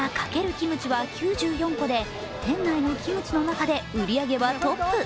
キムチは９４個で店内のキムチの中で売り上げはトップ。